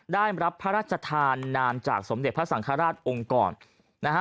ได้รับพระราชทานนามจากสมเด็จพระสังฆราชองค์กรนะฮะ